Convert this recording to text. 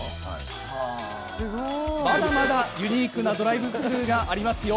まだまだユニークなドライブスルーがありますよ。